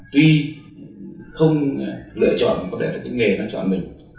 tuy không lựa chọn có lẽ là cái nghề nó chọn mình